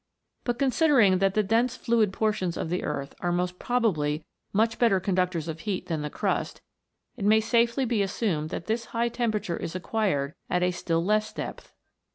But considering that the dense fluid portions of the earth are most probably much better conductors of heat than the crust, it may safely be assumed that this high PLUTOS KINGDOM. 287 temperature is acquired at a still less depth.